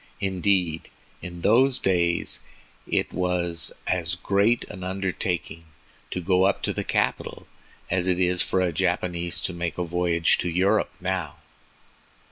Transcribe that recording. Indeed, in those days it was as great an undertaking to go up to the capital as it is for a Japanese to make a voyage to Europe now.